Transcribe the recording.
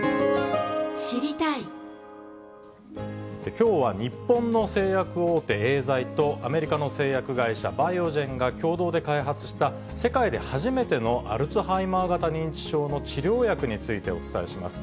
きょうは日本の製薬大手、エーザイと、アメリカの製薬会社、バイオジェンが共同で開発した、世界で初めてのアルツハイマー型認知症の治療薬についてお伝えします。